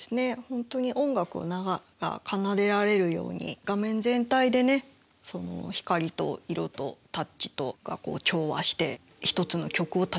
本当に音楽が奏でられるように画面全体でね光と色とタッチとが調和して一つの曲を立ち上げてるようなね